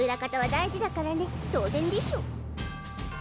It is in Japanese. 当然でしょ。